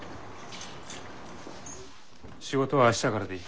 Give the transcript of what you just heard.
仕事は明日からでいい。